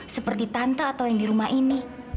seperti tante atau yang di rumah ini